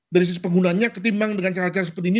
dari sisi penggunaannya ketimbang dengan cara cara seperti ini